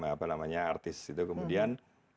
apa namanya artis itu kemudian